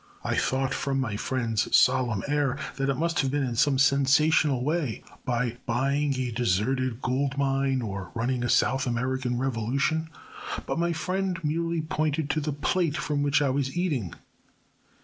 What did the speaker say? I thought from my friend's solemn air that it must have been in some sensational way by buying a deserted gold mine or running a South American revolution. But my friend merely pointed to the plate from which I was eating.